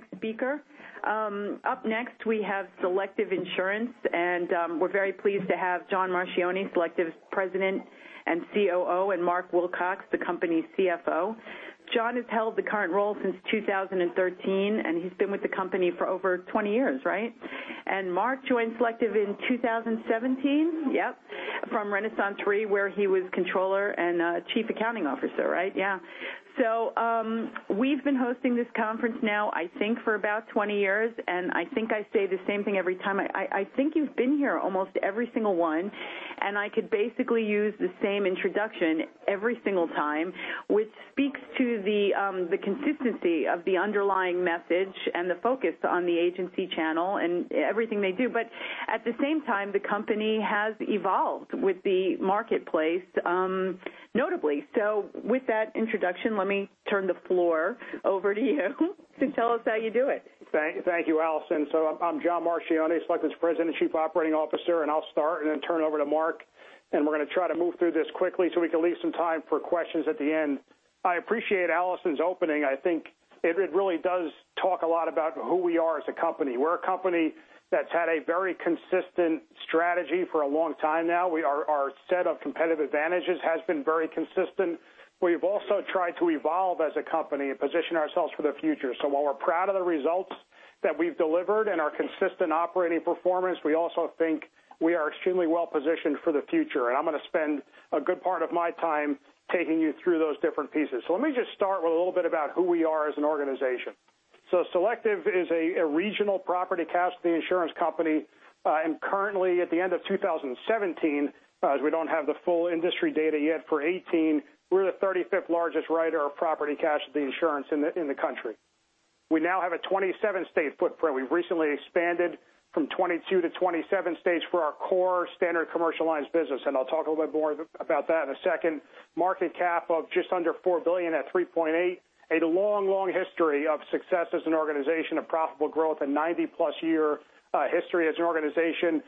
On to the next speaker. Up next, we have Selective Insurance. We're very pleased to have John Marchioni, Selective's President and COO, and Mark Wilcox, the company's CFO. John has held the current role since 2013. He's been with the company for over 20 years, right? Mark joined Selective in 2017? From RenaissanceRe, where he was Controller and Chief Accounting Officer, right? We've been hosting this conference now, I think, for about 20 years. I think I say the same thing every time. I think you've been here almost every single one. I could basically use the same introduction every single time, which speaks to the consistency of the underlying message and the focus on the agency channel and everything they do. At the same time, the company has evolved with the marketplace, notably. With that introduction, let me turn the floor over to you to tell us how you do it. Thank you, Allison. I'm John Marchioni, Selective's President and Chief Operating Officer. I'll start and then turn it over to Mark. We're going to try to move through this quickly so we can leave some time for questions at the end. I appreciate Allison's opening. I think it really does talk a lot about who we are as a company. We're a company that's had a very consistent strategy for a long time now. Our set of competitive advantages has been very consistent. We've also tried to evolve as a company and position ourselves for the future. While we're proud of the results that we've delivered and our consistent operating performance, we also think we are extremely well-positioned for the future. I'm going to spend a good part of my time taking you through those different pieces. Let me just start with a little bit about who we are as an organization. Selective is a regional property casualty insurance company. Currently, at the end of 2017, as we don't have the full industry data yet for 2018, we're the 35th largest writer of property casualty insurance in the country. We now have a 27-state footprint. We've recently expanded from 22 to 27 states for our core Standard Commercial Lines business. I'll talk a little bit more about that in a second. Market cap of just under $4 billion at 3.8. A long, long history of success as an organization of profitable growth and 90-plus year history as an organization.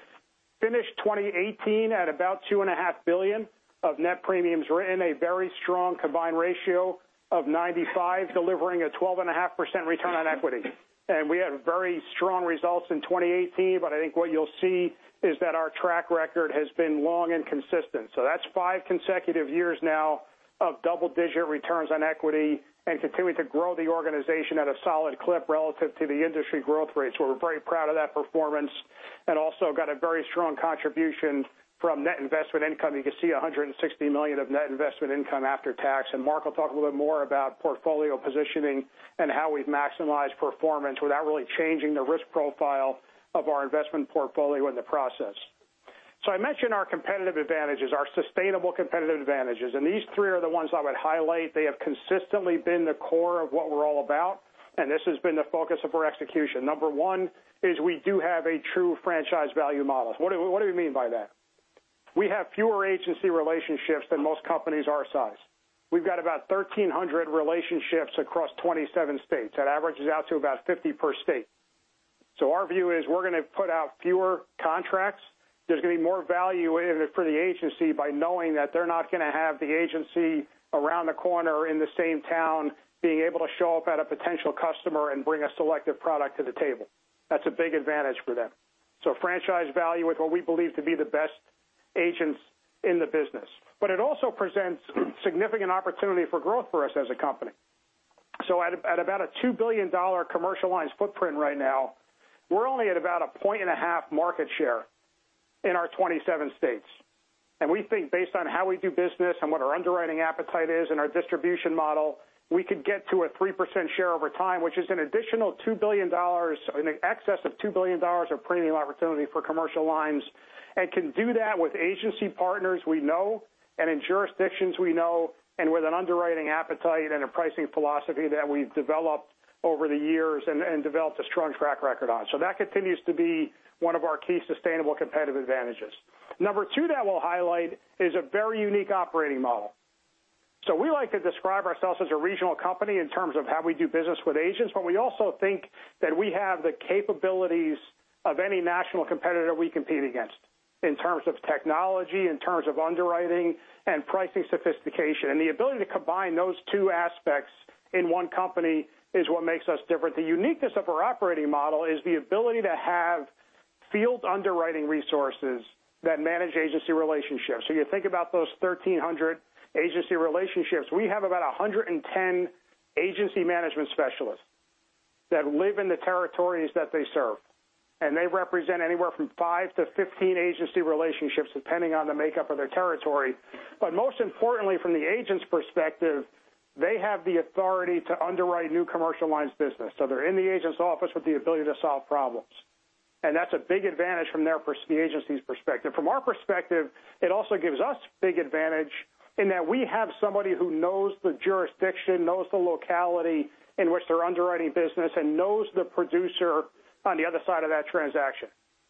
Finished 2018 at about $2.5 billion of net premiums written, a very strong combined ratio of 95, delivering a 12.5% return on equity. We had very strong results in 2018, but I think what you'll see is that our track record has been long and consistent. That's 5 consecutive years now of double-digit returns on equity and continuing to grow the organization at a solid clip relative to the industry growth rates. We're very proud of that performance and also got a very strong contribution from net investment income. You can see $160 million of net investment income after tax. Mark will talk a little bit more about portfolio positioning and how we've maximized performance without really changing the risk profile of our investment portfolio in the process. I mentioned our competitive advantages, our sustainable competitive advantages, and these three are the ones I would highlight. They have consistently been the core of what we're all about, and this has been the focus of our execution. Number one is we do have a true franchise value model. What do we mean by that? We have fewer agency relationships than most companies our size. We've got about 1,300 relationships across 27 states. That averages out to about 50 per state. Our view is we're going to put out fewer contracts. There's going to be more value in it for the agency by knowing that they're not going to have the agency around the corner in the same town being able to show up at a potential customer and bring a Selective product to the table. That's a big advantage for them. Franchise value with who we believe to be the best agents in the business. It also presents significant opportunity for growth for us as a company. At about a $2 billion Commercial Lines footprint right now, we're only at about a 1.5 market share in our 27 states. We think based on how we do business and what our underwriting appetite is and our distribution model, we could get to a 3% share over time, which is an additional $2 billion, in excess of $2 billion of premium opportunity for Commercial Lines. Can do that with agency partners we know and in jurisdictions we know, and with an underwriting appetite and a pricing philosophy that we've developed over the years and developed a strong track record on. That continues to be one of our key sustainable competitive advantages. Number two that we'll highlight is a very unique operating model. We like to describe ourselves as a regional company in terms of how we do business with agents, but we also think that we have the capabilities of any national competitor we compete against in terms of technology, in terms of underwriting and pricing sophistication. The ability to combine those two aspects in one company is what makes us different. The uniqueness of our operating model is the ability to have field underwriting resources that manage agency relationships. You think about those 1,300 agency relationships. We have about 110 agency management specialists that live in the territories that they serve, and they represent anywhere from 5 to 15 agency relationships, depending on the makeup of their territory. But most importantly, from the agent's perspective, they have the authority to underwrite new Commercial Lines business. They're in the agent's office with the ability to solve problems. That's a big advantage from the agency's perspective. From our perspective, it also gives us big advantage in that we have somebody who knows the jurisdiction, knows the locality in which they're underwriting business, and knows the producer on the other side of that transaction,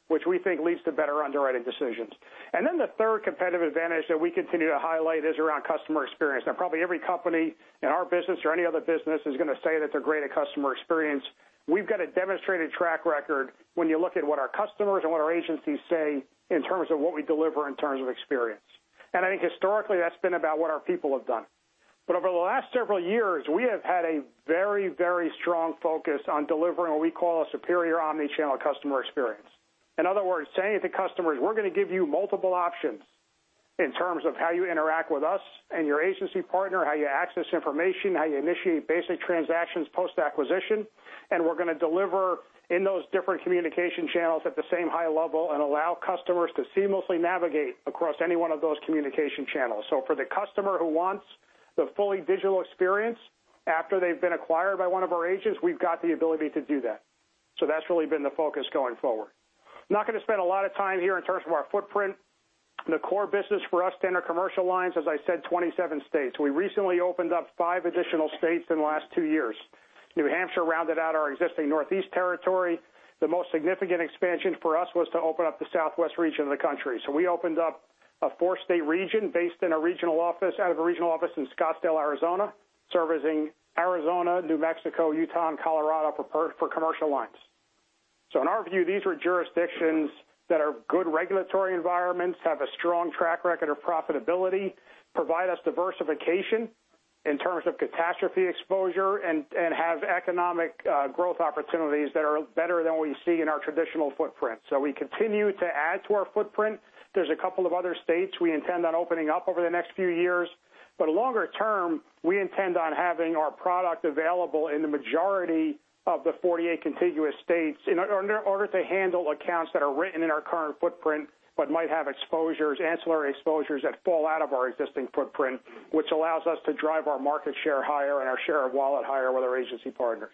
which we think leads to better underwriting decisions. The third competitive advantage that we continue to highlight is around customer experience. Now, probably every company in our business or any other business is going to say that they're great at customer experience. We've got a demonstrated track record when you look at what our customers and what our agencies say in terms of what we deliver in terms of experience. I think historically, that's been about what our people have done. Over the last several years, we have had a very strong focus on delivering what we call a superior omnichannel customer experience. In other words, saying to customers, we're going to give you multiple options in terms of how you interact with us and your agency partner, how you access information, how you initiate basic transactions, post-acquisition. We're going to deliver in those different communication channels at the same high level and allow customers to seamlessly navigate across any one of those communication channels. For the customer who wants the fully digital experience after they've been acquired by one of our agents, we've got the ability to do that. That's really been the focus going forward. I'm not going to spend a lot of time here in terms of our footprint. The core business for us, Standard Commercial Lines, as I said, 27 states. We recently opened up five additional states in the last two years. New Hampshire rounded out our existing Northeast territory. The most significant expansion for us was to open up the Southwest region of the country. We opened up a four-state region based out of a regional office in Scottsdale, Arizona, servicing Arizona, New Mexico, Utah, and Colorado for commercial lines. In our view, these are jurisdictions that are good regulatory environments, have a strong track record of profitability, provide us diversification in terms of catastrophe exposure, and have economic growth opportunities that are better than what we see in our traditional footprint. We continue to add to our footprint. There's a couple of other states we intend on opening up over the next few years. Longer term, we intend on having our product available in the majority of the 48 contiguous states in order to handle accounts that are written in our current footprint but might have ancillary exposures that fall out of our existing footprint, which allows us to drive our market share higher and our share of wallet higher with our agency partners.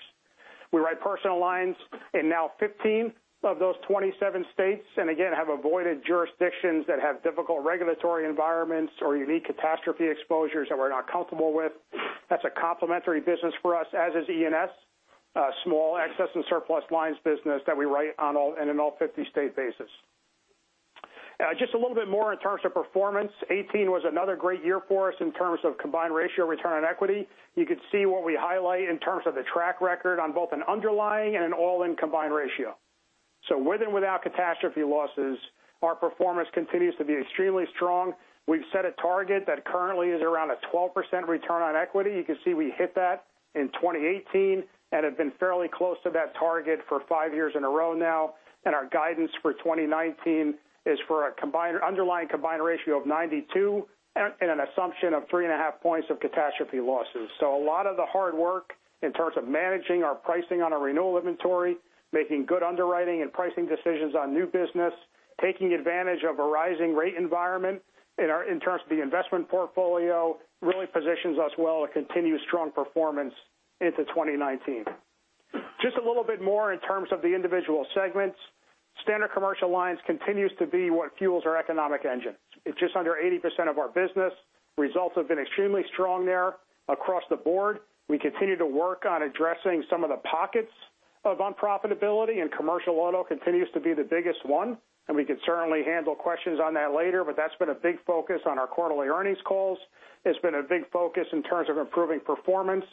We write personal lines in now 15 of those 27 states. Again, have avoided jurisdictions that have difficult regulatory environments or unique catastrophe exposures that we're not comfortable with. That's a complementary business for us, as is E&S, a small Excess & Surplus Lines business that we write on an all 50-state basis. Just a little bit more in terms of performance. 2018 was another great year for us in terms of combined ratio, return on equity. You can see what we highlight in terms of the track record on both an underlying and an all-in combined ratio. With and without catastrophe losses, our performance continues to be extremely strong. We've set a target that currently is around a 12% return on equity. You can see we hit that in 2018 and have been fairly close to that target for five years in a row now. Our guidance for 2019 is for an underlying combined ratio of 92% and an assumption of three and a half points of catastrophe losses. A lot of the hard work in terms of managing our pricing on our renewal inventory, making good underwriting and pricing decisions on new business, taking advantage of a rising rate environment in terms of the investment portfolio, really positions us well to continue strong performance into 2019. Just a little bit more in terms of the individual segments. Standard Commercial Lines continues to be what fuels our economic engine. It's just under 80% of our business. Results have been extremely strong there across the board. We continue to work on addressing some of the pockets of unprofitability, Commercial Auto continues to be the biggest one, and we can certainly handle questions on that later, but that's been a big focus on our quarterly earnings calls. It's been a big focus in terms of improving performance,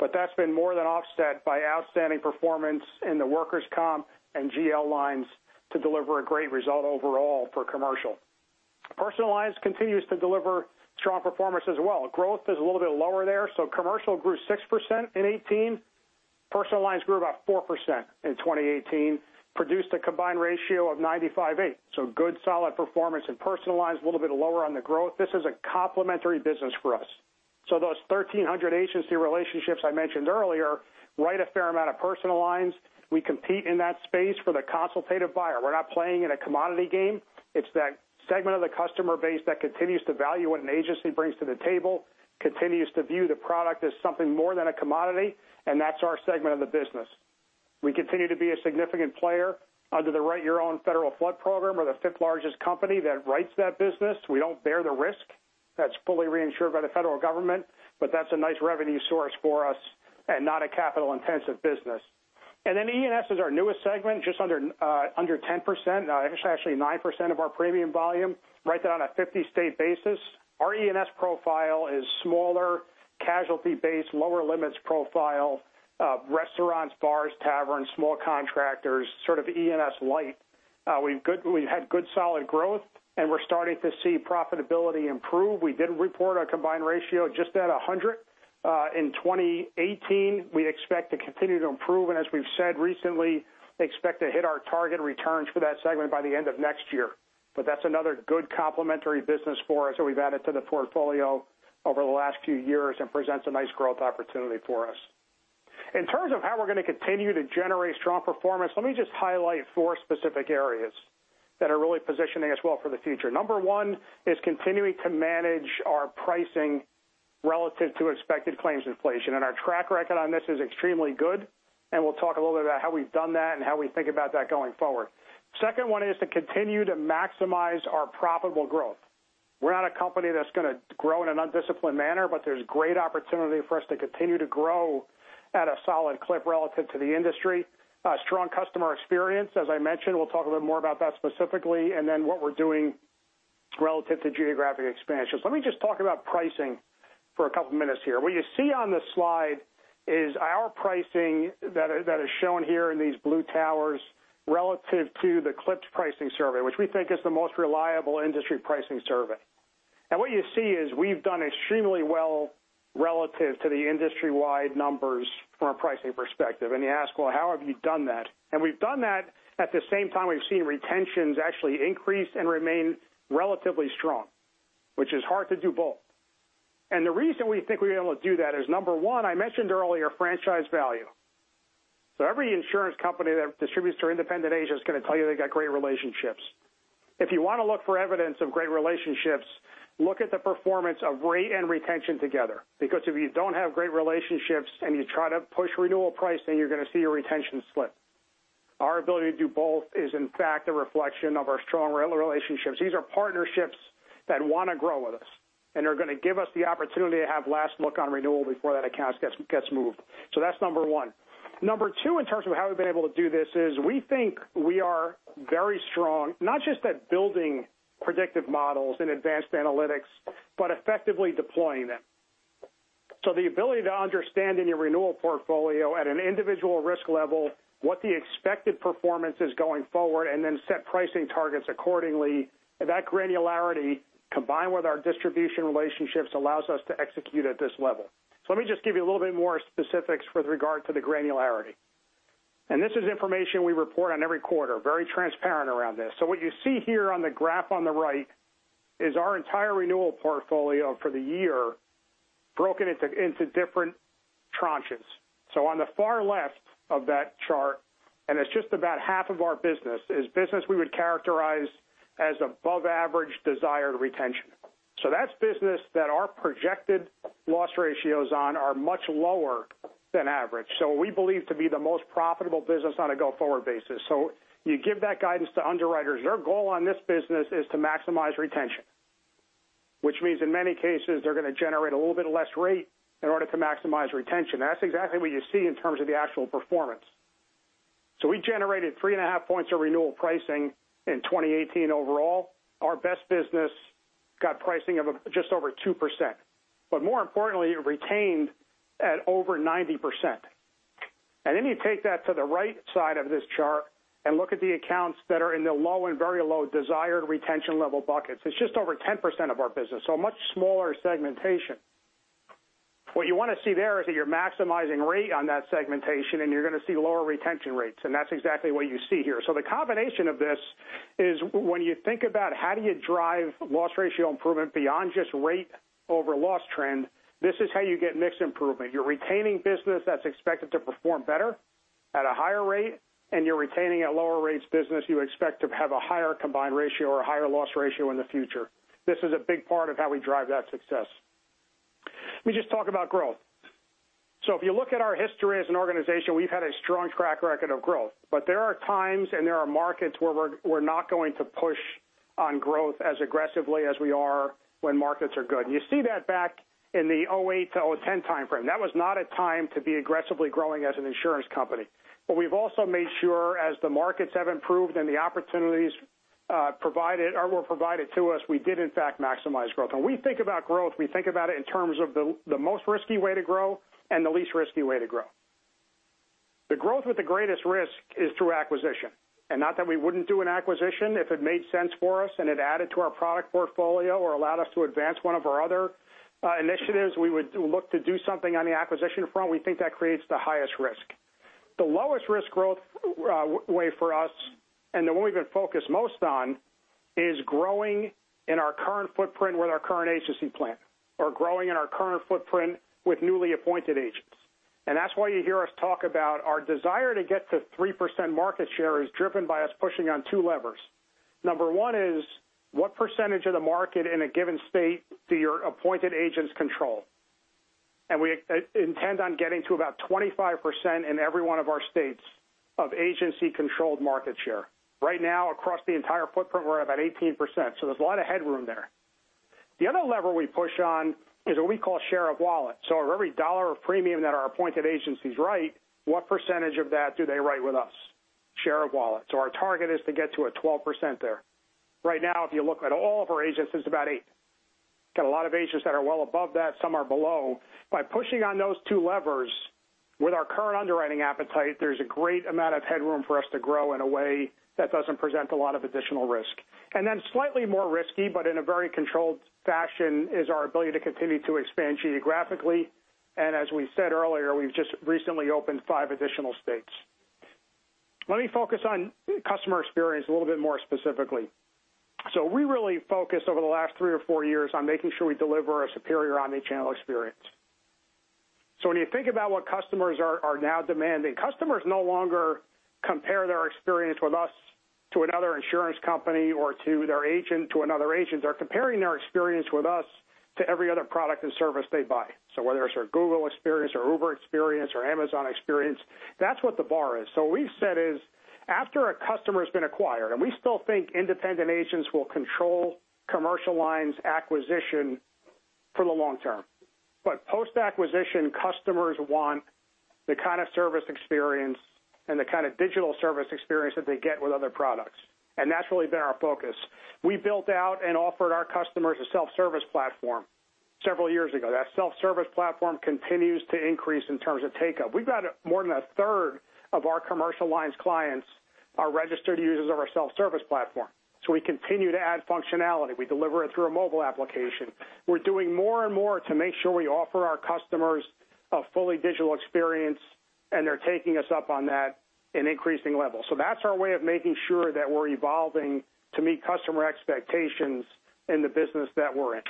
but that's been more than offset by outstanding performance in the workers' comp and GL lines to deliver a great result overall for commercial. Personal Lines continues to deliver strong performance as well. Growth is a little bit lower there. Commercial grew 6% in 2018. Personal Lines grew about 4% in 2018, produced a combined ratio of 95.8%. Good solid performance in Personal Lines, a little bit lower on the growth. This is a complementary business for us. Those 1,300 agency relationships I mentioned earlier write a fair amount of Personal Lines. We compete in that space for the consultative buyer. We're not playing in a commodity game. It's that segment of the customer base that continues to value what an agency brings to the table, continues to view the product as something more than a commodity, and that's our segment of the business. We continue to be a significant player under the Write Your Own Federal Flood Program. We're the fifth largest company that writes that business. We don't bear the risk. That's fully reinsured by the federal government, but that's a nice revenue source for us and not a capital-intensive business. E&S is our newest segment, just under 10%, it's actually 9% of our premium volume. Write that on a 50-state basis. Our E&S profile is smaller, casualty-based, lower limits profile, restaurants, bars, taverns, small contractors, sort of E&S light. We've had good solid growth, and we're starting to see profitability improve. We did report a combined ratio just at 100% in 2018. We expect to continue to improve, as we've said recently, expect to hit our target returns for that segment by the end of next year. That's another good complementary business for us that we've added to the portfolio over the last few years and presents a nice growth opportunity for us. In terms of how we're going to continue to generate strong performance, let me just highlight four specific areas that are really positioning us well for the future. Number one is continuing to manage our pricing relative to expected claims inflation. Our track record on this is extremely good, and we'll talk a little bit about how we've done that and how we think about that going forward. The second one is to continue to maximize our profitable growth. We're not a company that's going to grow in an undisciplined manner, but there's great opportunity for us to continue to grow at a solid clip relative to the industry. Strong customer experience, as I mentioned, we'll talk a little bit more about that specifically. What we're doing relative to geographic expansions. Let me just talk about pricing for a couple of minutes here. What you see on this slide is our pricing that is shown here in these blue towers relative to the CLPP pricing survey, which we think is the most reliable industry pricing survey. What you see is we've done extremely well relative to the industry-wide numbers from a pricing perspective. You ask, well, how have you done that? We've done that at the same time we've seen retentions actually increase and remain relatively strong, which is hard to do both. The reason we think we were able to do that is, number one, I mentioned earlier, franchise value. Every insurance company that distributes to independent agents is going to tell you they've got great relationships. If you want to look for evidence of great relationships, look at the performance of rate and retention together, because if you don't have great relationships and you try to push renewal pricing, you're going to see your retention slip. Our ability to do both is, in fact, a reflection of our strong relationships. That's number one. Number two, in terms of how we've been able to do this, is we think we are very strong, not just at building predictive models and advanced analytics, but effectively deploying them. The ability to understand in your renewal portfolio at an individual risk level what the expected performance is going forward, and then set pricing targets accordingly. That granularity, combined with our distribution relationships, allows us to execute at this level. Let me just give you a little bit more specifics with regard to the granularity. This is information we report on every quarter, very transparent around this. What you see here on the graph on the right is our entire renewal portfolio for the year broken into different tranches. On the far left of that chart, and it's just about half of our business, is business we would characterize as above average desired retention. That's business that our projected loss ratios on are much lower than average, we believe to be the most profitable business on a go-forward basis. You give that guidance to underwriters. Their goal on this business is to maximize retention, which means in many cases, they're going to generate a little bit less rate in order to maximize retention. That's exactly what you see in terms of the actual performance. We generated three and a half points of renewal pricing in 2018 overall. Our best business got pricing of just over 2%, but more importantly, it retained at over 90%. You take that to the right side of this chart and look at the accounts that are in the low and very low desired retention level buckets. It's just over 10% of our business, so a much smaller segmentation. What you want to see there is that you're maximizing rate on that segmentation, and you're going to see lower retention rates, and that's exactly what you see here. The combination of this is when you think about how do you drive loss ratio improvement beyond just rate over loss trend, this is how you get mixed improvement. You're retaining business that's expected to perform better at a higher rate, and you're retaining at lower rates business you expect to have a higher combined ratio or a higher loss ratio in the future. This is a big part of how we drive that success. Let me just talk about growth. If you look at our history as an organization, we've had a strong track record of growth. There are times and there are markets where we're not going to push on growth as aggressively as we are when markets are good. You see that back in the 2008 to 2010 timeframe. That was not a time to be aggressively growing as an insurance company. We've also made sure as the markets have improved and the opportunities were provided to us, we did in fact maximize growth. When we think about growth, we think about it in terms of the most risky way to grow and the least risky way to grow. The growth with the greatest risk is through acquisition. Not that we wouldn't do an acquisition if it made sense for us and it added to our product portfolio or allowed us to advance one of our other initiatives, we would look to do something on the acquisition front. We think that creates the highest risk. The lowest risk growth way for us, and the one we've been focused most on, is growing in our current footprint with our current agency plant or growing in our current footprint with newly appointed agents. That's why you hear us talk about our desire to get to 3% market share is driven by us pushing on two levers. Number one is what percentage of the market in a given state do your appointed agents control? We intend on getting to about 25% in every one of our states of agency-controlled market share. Right now, across the entire footprint, we're about 18%, so there's a lot of headroom there. The other lever we push on is what we call share of wallet. Of every dollar of premium that our appointed agencies write, what percentage of that do they write with us? Share of wallet. Our target is to get to a 12% there. Right now, if you look at all of our agents, it's about eight. Got a lot of agents that are well above that, some are below. By pushing on those two levers with our current underwriting appetite, there's a great amount of headroom for us to grow in a way that doesn't present a lot of additional risk. Slightly more risky, but in a very controlled fashion, is our ability to continue to expand geographically. As we said earlier, we've just recently opened five additional states. Let me focus on customer experience a little bit more specifically. We really focused over the last three or four years on making sure we deliver a superior omnichannel experience. When you think about what customers are now demanding, customers no longer compare their experience with us to another insurance company or to their agent to another agent. They're comparing their experience with us to every other product and service they buy. Whether it's their Google experience or Uber experience or Amazon experience, that's what the bar is. What we've said is, after a customer has been acquired, we still think independent agents will control commercial lines acquisition For the long term. Post-acquisition customers want the kind of service experience and the kind of digital service experience that they get with other products, and that's really been our focus. We built out and offered our customers a self-service platform several years ago. That self-service platform continues to increase in terms of take-up. We've got more than a third of our commercial lines clients are registered users of our self-service platform. We continue to add functionality. We deliver it through a mobile application. We're doing more and more to make sure we offer our customers a fully digital experience, and they're taking us up on that in increasing levels. That's our way of making sure that we're evolving to meet customer expectations in the business that we're in.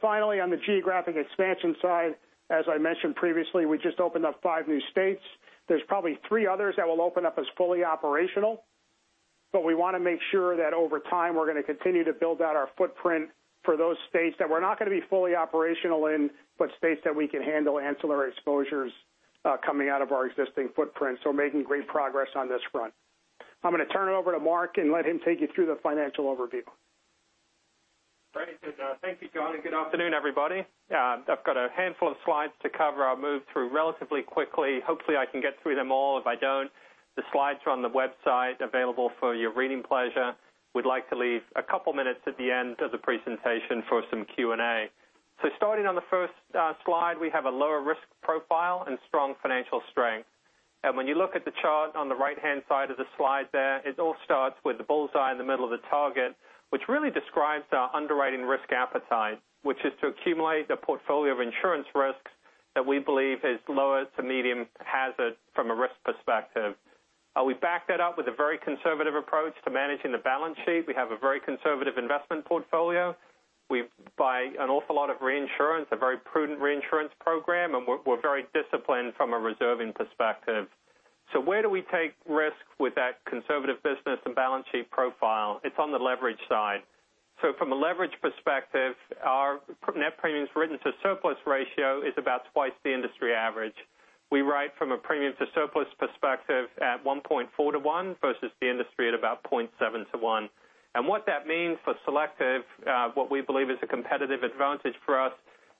Finally, on the geographic expansion side, as I mentioned previously, we just opened up five new states. There's probably three others that will open up as fully operational, but we want to make sure that over time, we're going to continue to build out our footprint for those states that we're not going to be fully operational in, but states that we can handle ancillary exposures coming out of our existing footprint. We're making great progress on this front. I'm going to turn it over to Mark and let him take you through the financial overview. Great. Thank you, John, good afternoon, everybody. I've got a handful of slides to cover. I'll move through relatively quickly. Hopefully, I can get through them all. If I don't, the slides are on the website available for your reading pleasure. We'd like to leave a couple of minutes at the end of the presentation for some Q&A. Starting on the first slide, we have a lower risk profile and strong financial strength. When you look at the chart on the right-hand side of the slide there, it all starts with the bullseye in the middle of the target, which really describes our underwriting risk appetite. Which is to accumulate a portfolio of insurance risks that we believe is low to medium hazard from a risk perspective. We back that up with a very conservative approach to managing the balance sheet. We have a very conservative investment portfolio. We buy an awful lot of reinsurance, a very prudent reinsurance program, and we're very disciplined from a reserving perspective. Where do we take risks with that conservative business and balance sheet profile? It's on the leverage side. From a leverage perspective, our net premiums written to surplus ratio is about twice the industry average. We write from a premium to surplus perspective at 1.4 to one versus the industry at about 0.7 to one. What that means for Selective, what we believe is a competitive advantage for us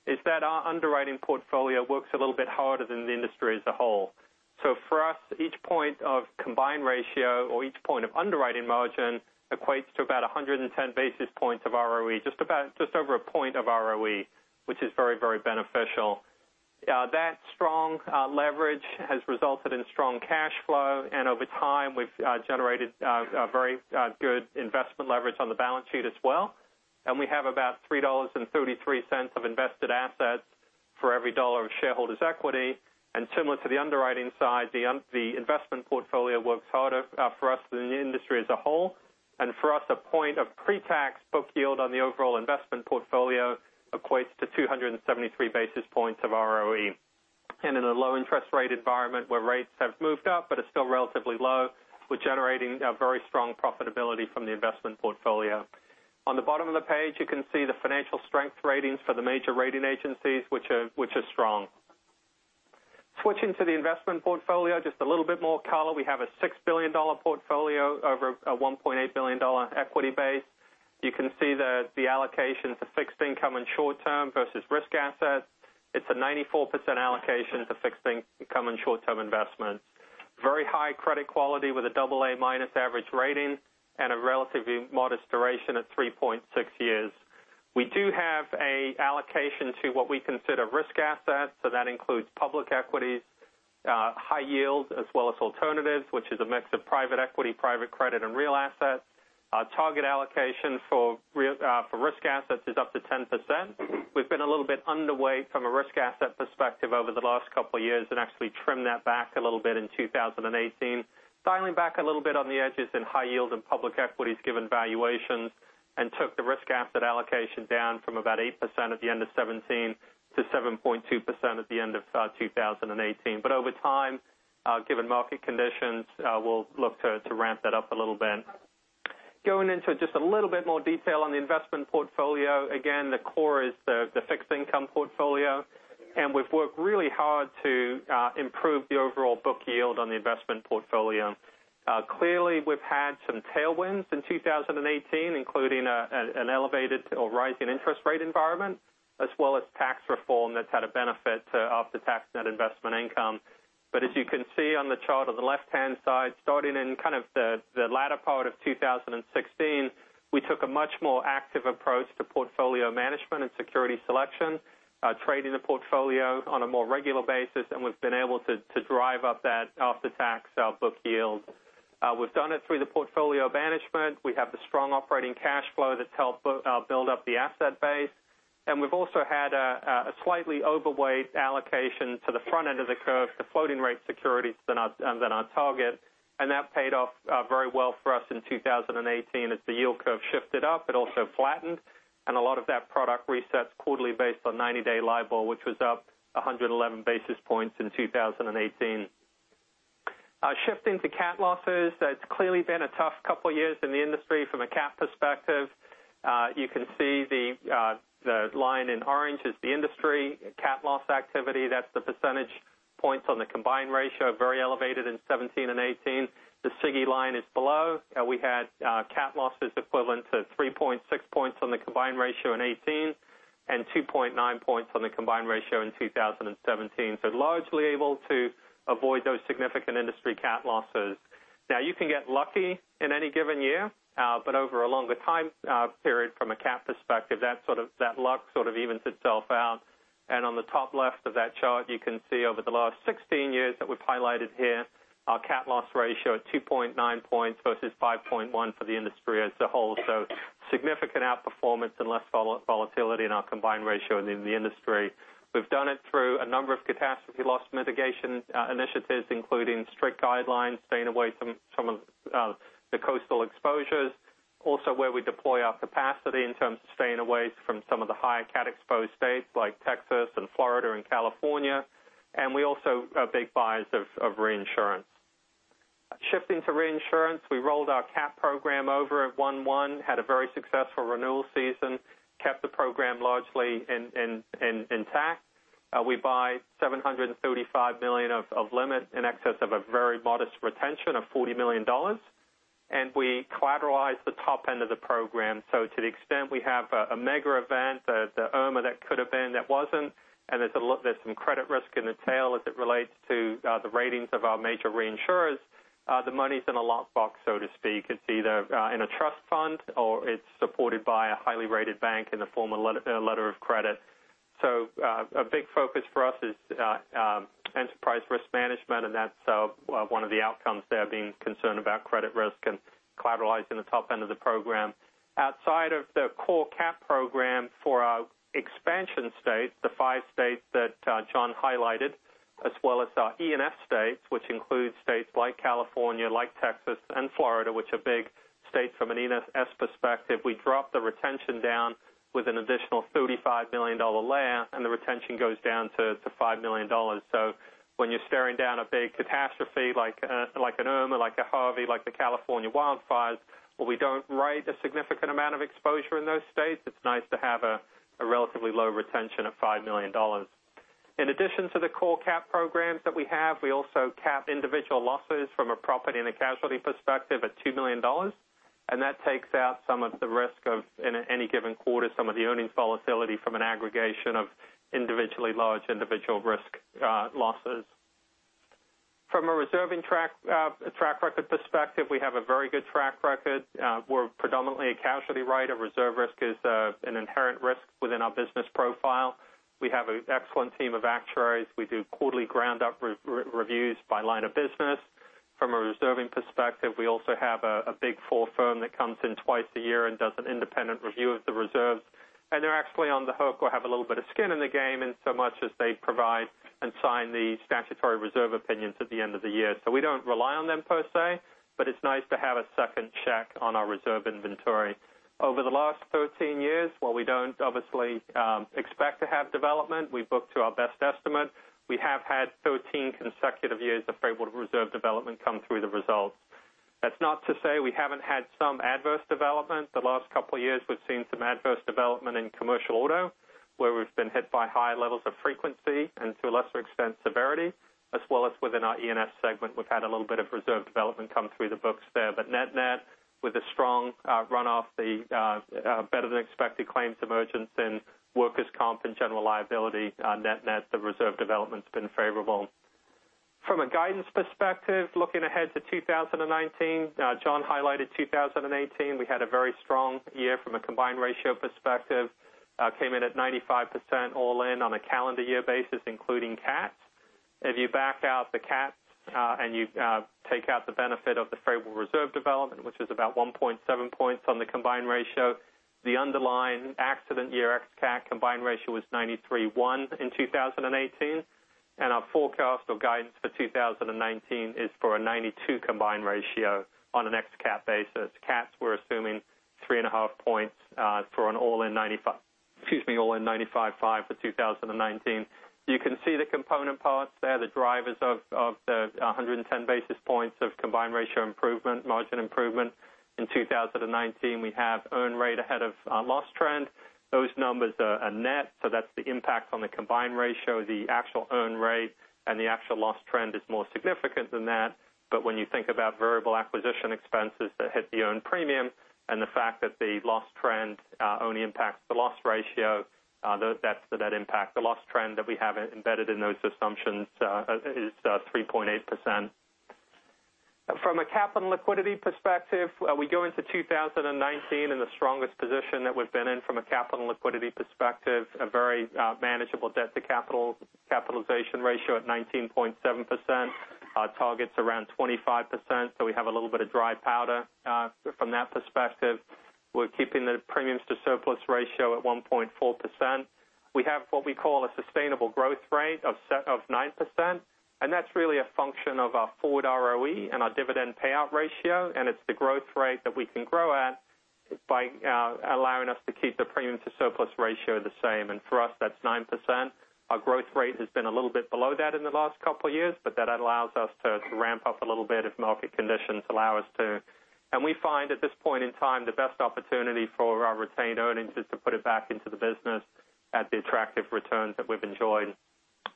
is that our underwriting portfolio works a little bit harder than the industry as a whole. For us, each point of combined ratio or each point of underwriting margin equates to about 110 basis points of ROE, just over a point of ROE, which is very beneficial. That strong leverage has resulted in strong cash flow. Over time, we've generated very good investment leverage on the balance sheet as well. We have about $3.33 of invested assets for every dollar of shareholders' equity. Similar to the underwriting side, the investment portfolio works harder for us than the industry as a whole. For us, a point of pre-tax book yield on the overall investment portfolio equates to 273 basis points of ROE. In a low interest rate environment where rates have moved up but are still relatively low, we're generating a very strong profitability from the investment portfolio. On the bottom of the page, you can see the financial strength ratings for the major rating agencies, which are strong. Switching to the investment portfolio, just a little bit more color, we have a $6 billion portfolio over a $1.8 billion equity base. You can see that the allocation for fixed income and short term versus risk assets, it's a 94% allocation to fixed income and short-term investments. Very high credit quality with a double A minus average rating and a relatively modest duration of 3.6 years. We do have an allocation to what we consider risk assets, so that includes public equity, high yield, as well as alternatives, which is a mix of private equity, private credit, and real assets. Our target allocation for risk assets is up to 10%. We've been a little bit underweight from a risk asset perspective over the last couple of years and actually trimmed that back a little bit in 2018. Dialing back a little bit on the edges in high yield and public equities given valuations. Took the risk asset allocation down from about 8% at the end of 2017 to 7.2% at the end of 2018. Over time, given market conditions, we'll look to ramp that up a little bit. Going into just a little bit more detail on the investment portfolio. Again, the core is the fixed income portfolio. We've worked really hard to improve the overall book yield on the investment portfolio. Clearly, we've had some tailwinds in 2018, including an elevated or rising interest rate environment, as well as tax reform that's had a benefit to after-tax net investment income. As you can see on the chart on the left-hand side, starting in the latter part of 2016, we took a much more active approach to portfolio management and security selection, trading the portfolio on a more regular basis, and we've been able to drive up that after-tax book yield. We've done it through the portfolio management. We have the strong operating cash flow that's helped build up the asset base, and we've also had a slightly overweight allocation to the front end of the curve to floating rate securities than on target, and that paid off very well for us in 2018 as the yield curve shifted up. It also flattened, and a lot of that product resets quarterly based on 90-day LIBOR, which was up 111 basis points in 2018. Shifting to cat losses, it's clearly been a tough couple of years in the industry from a cat perspective. You can see the line in orange is the industry cat loss activity. That's the percentage points on the combined ratio are very elevated in 2017 and 2018. The SIGI line is below. We had cat losses equivalent to 3.6 points on the combined ratio in 2018, and 2.9 points on the combined ratio in 2017. Largely able to avoid those significant industry cat losses. You can get lucky in any given year, but over a longer time period from a cat perspective, that luck sort of evens itself out. On the top left of that chart, you can see over the last 16 years that we've highlighted here, our cat loss ratio at 2.9 points versus 5.1 for the industry as a whole. Significant outperformance and less volatility in our combined ratio than the industry. We've done it through a number of catastrophe loss mitigation initiatives, including strict guidelines, staying away from some of the coastal exposures. Where we deploy our capacity in terms of staying away from some of the higher cat exposed states like Texas and Florida and California. We also are big buyers of reinsurance. Shifting to reinsurance, we rolled our cat program over at one-one, had a very successful renewal season, kept the program largely intact. We buy $735 million of limit in excess of a very modest retention of $40 million. We collateralize the top end of the program. To the extent we have a mega event, the Irma that could have been, that wasn't, and there's some credit risk in the tail as it relates to the ratings of our major reinsurers. The money's in a lockbox, so to speak. It's either in a trust fund or it's supported by a highly rated bank in the form of letter of credit. A big focus for us is enterprise risk management, and that's one of the outcomes there, being concerned about credit risk and collateralizing the top end of the program. Outside of the core cat program for our expansion states, the five states that John highlighted, as well as our E&S states, which includes states like California, like Texas and Florida, which are big states from an E&S perspective. We dropped the retention down with an additional $35 million layer, and the retention goes down to $5 million. When you're staring down a big catastrophe like an Irma, like a Harvey, like the California wildfires, where we don't write a significant amount of exposure in those states, it's nice to have a relatively low retention of $5 million. In addition to the core cat programs that we have, we also cap individual losses from a property and a casualty perspective at $2 million, and that takes out some of the risk of, in any given quarter, some of the earnings volatility from an aggregation of individually large individual risk losses. From a reserving track record perspective, we have a very good track record. We're predominantly a casualty writer. Reserve risk is an inherent risk within our business profile. We have an excellent team of actuaries. We do quarterly ground-up reviews by line of business. From a reserving perspective, we also have a big four firm that comes in twice a year and does an independent review of the reserves. They're actually on the hook or have a little bit of skin in the game in so much as they provide and sign the statutory reserve opinions at the end of the year. We don't rely on them per se, but it's nice to have a second check on our reserve inventory. Over the last 13 years, while we don't obviously expect to have development, we book to our best estimate. We have had 13 consecutive years of favorable reserve development come through the results. That's not to say we haven't had some adverse development. The last couple of years, we've seen some adverse development in Commercial Auto, where we've been hit by high levels of frequency and to a lesser extent, severity, as well as within our E&S segment, we've had a little bit of reserve development come through the books there. Net-net, with a strong runoff, the better-than-expected claims emergence in Workers' Comp and General Liability, net-net, the reserve development has been favorable. From a guidance perspective, looking ahead to 2019. John highlighted 2018. We had a very strong year from a combined ratio perspective. Came in at 95% all in on a calendar year basis, including cats. If you back out the cats, you take out the benefit of the favorable reserve development, which is about 1.7 points on the combined ratio, the underlying accident year ex-cat combined ratio was 93.1 in 2018, and our forecast or guidance for 2019 is for a 92 combined ratio on an ex-cat basis. Cats, we're assuming three and a half points, for an all in 95.5 for 2019. You can see the component parts there, the drivers of the 110 basis points of combined ratio improvement, margin improvement. In 2019, we have earn rate ahead of loss trend. Those numbers are net, that's the impact on the combined ratio, the actual earn rate, and the actual loss trend is more significant than that. When you think about variable acquisition expenses that hit the earned premium and the fact that the loss trend only impacts the loss ratio, the loss trend that we have embedded in those assumptions is 3.8%. From a capital and liquidity perspective, we go into 2019 in the strongest position that we've been in from a capital and liquidity perspective, a very manageable debt to capital capitalization ratio at 19.7%. Our target's around 25%, we have a little bit of dry powder from that perspective. We're keeping the premiums to surplus ratio at 1.4%. We have what we call a sustainable growth rate of 9%, and that's really a function of our forward ROE and our dividend payout ratio, it's the growth rate that we can grow at by allowing us to keep the premium to surplus ratio the same. For us, that's 9%. Our growth rate has been a little bit below that in the last couple of years, that allows us to ramp up a little bit if market conditions allow us to. We find at this point in time, the best opportunity for our retained earnings is to put it back into the business at the attractive returns that we've enjoyed.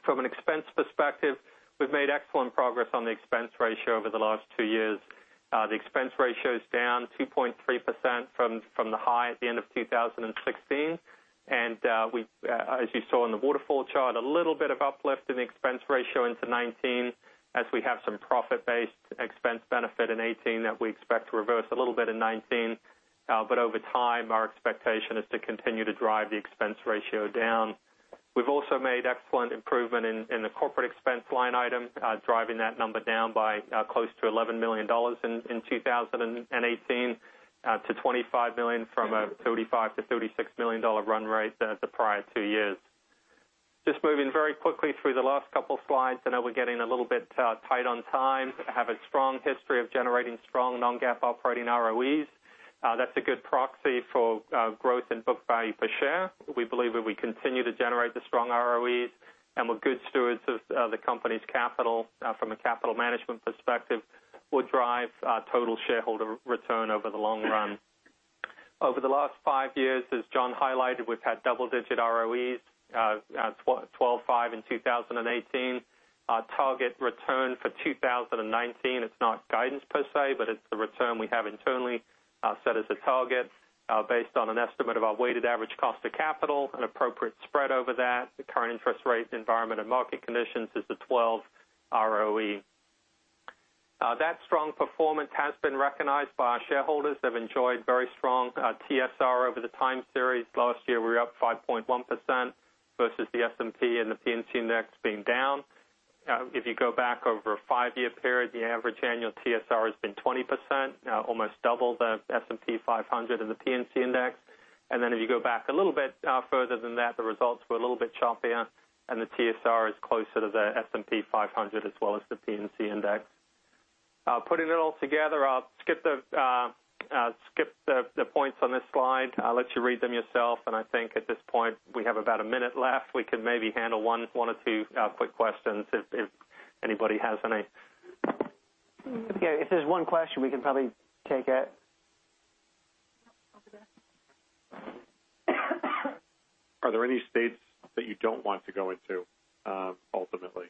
From an expense perspective, we've made excellent progress on the expense ratio over the last two years. The expense ratio is down 2.3% from the high at the end of 2016, and as you saw in the waterfall chart, a little bit of uplift in the expense ratio into 2019 as we have some profit-based expense benefit in 2018 that we expect to reverse a little bit in 2019. Over time, our expectation is to continue to drive the expense ratio down. We've also made excellent improvement in the corporate expense line item, driving that number down by close to $11 million in 2018, to $25 million from a $35 million-$36 million run rate the prior two years. Just moving very quickly through the last couple slides. I know we're getting a little bit tight on time. We have a strong history of generating strong non-GAAP operating ROEs. That's a good proxy for growth in book value per share. We believe if we continue to generate the strong ROEs, we're good stewards of the company's capital from a capital management perspective, we'll drive total shareholder return over the long run. Over the last five years, as John highlighted, we've had double-digit ROEs, 12.5% in 2018. Our target return for 2019, it's not guidance per se, it's the return we have internally set as a target based on an estimate of our weighted average cost of capital, an appropriate spread over that, the current interest rate environment and market conditions is a 12% ROE. That strong performance has been recognized by our shareholders. They've enjoyed very strong TSR over the time series. Last year, we were up 5.1% versus the S&P and the P&C Index being down. If you go back over a five-year period, the average annual TSR has been 20%, almost double the S&P 500 and the P&C Index. If you go back a little bit further than that, the results were a little bit choppier, and the TSR is closer to the S&P 500 as well as the P&C Index. Putting it all together, I'll skip the points on this slide. I'll let you read them yourself. I think at this point, we have about a minute left. We can maybe handle one or two quick questions if anybody has any. If there's one question, we can probably take it. Over there. Are there any states that you don't want to go into, ultimately?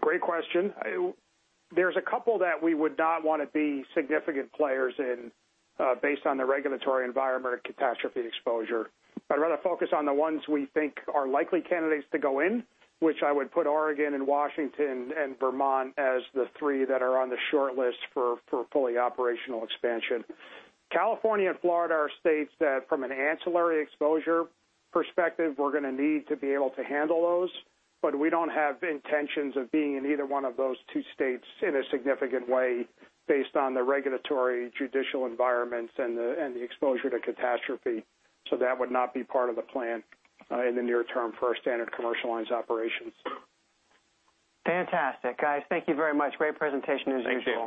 Great question. There's a couple that we would not want to be significant players in based on the regulatory environment and catastrophe exposure. I'd rather focus on the ones we think are likely candidates to go in, which I would put Oregon and Washington and Vermont as the three that are on the shortlist for fully operational expansion. California and Florida are states that from an ancillary exposure perspective, we're going to need to be able to handle those, but we don't have intentions of being in either one of those two states in a significant way based on the regulatory judicial environments and the exposure to catastrophe. That would not be part of the plan in the near term for our Standard Commercial Lines operations. Fantastic. Guys, thank you very much. Great presentation as usual.